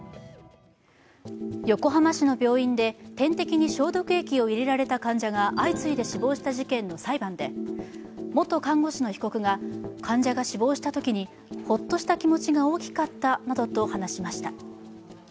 横浜市の病院で点滴に消毒液を入れられた患者が相次いで死亡した事件の裁判で元看護師の被告が患者が死亡したときにホッとした気持ちが大きかったなどと話しました。